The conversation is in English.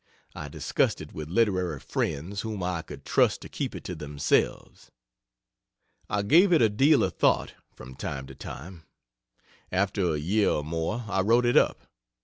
I discussed it with literary friends whom I could trust to keep it to themselves. I gave it a deal of thought, from time to time. After a year or more I wrote it up.